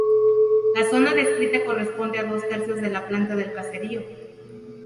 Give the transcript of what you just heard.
La zona descrita corresponde a dos tercios de la planta del caserío.